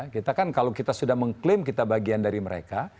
kita kan kalau kita sudah mengklaim kita bagian dari mereka